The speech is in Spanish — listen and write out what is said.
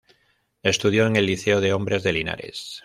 Estudió en el Liceo de Hombres de Linares.